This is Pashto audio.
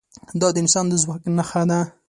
دا د انسان د ځواک نښه ده.